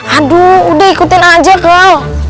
aduh udah ikutin aja kok